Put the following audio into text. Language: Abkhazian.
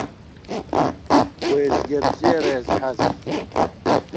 Уеизгьы абзиара иазҳәазааит.